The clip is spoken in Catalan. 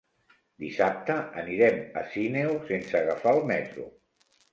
Dissabte anirem a Sineu sense agafar el metro.